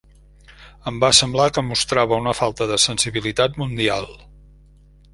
Em va semblar que mostrava una falta de sensibilitat mundial.